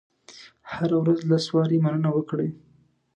هره ورځ لس وارې مننه وکړئ.